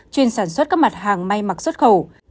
chuyên sản xuất các mặt hàng may mặc xuất khẩu